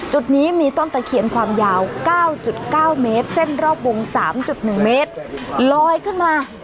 จุดนี้มีต้นตะเขียนความยาวเมตรเซ่นรอบวงสามจุดหนึ่งเมตรลอยขึ้นมา